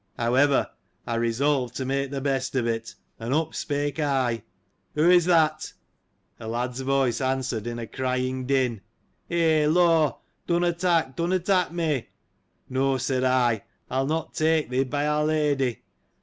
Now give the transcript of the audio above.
— However, I resolved to make the best of it, and up spake I. "Who is that?" A lad's voice answered, in a crying din, " Eh, Law ! dunna tak' — dunna tak' me." No, said I, I'll not take thee, by our Lady.